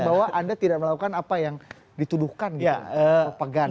bahwa anda tidak melakukan apa yang dituduhkan pegang